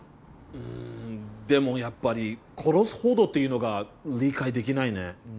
うんでもやっぱり殺すほどっていうのが理解できないね。